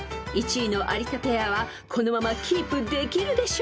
［１位の有田ペアはこのままキープできるでしょうか？］